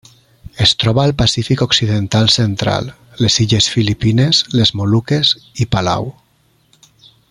Es troba al Pacífic occidental central: les illes Filipines, les Moluques i Palau.